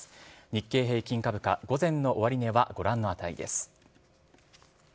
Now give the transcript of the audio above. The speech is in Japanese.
日経平均株価、午前の終値はご覧の値です。